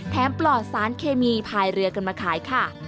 ปลอดสารเคมีพายเรือกันมาขายค่ะ